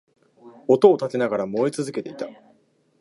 音を立てながら燃え続けていた